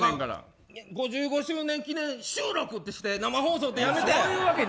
５５周年記念収録ってして生放送ってやめて！